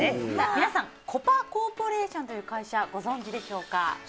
皆さん、コパ・コーポレーションという会社ご存じでしょうか。